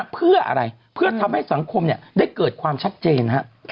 เพื่ออะไรเพื่อทำให้สังคมได้เกิดความชัดเจน